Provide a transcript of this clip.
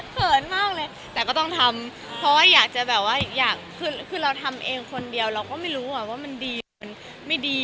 เขินมากเลยแต่ก็ต้องทำเพราะว่าอยากจะแบบว่าอยากคือเราทำเองคนเดียวเราก็ไม่รู้ว่ามันดีหรือมันไม่ดี